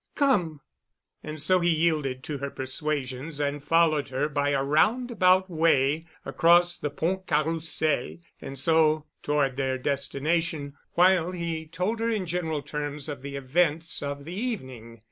Come." And so he yielded to her persuasions and followed her by a roundabout way across the Pont Carrousel and so toward their destination, while he told her in general terms of the events of the evening.